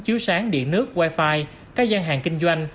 chiếu sáng điện nước wifi các gian hàng kinh doanh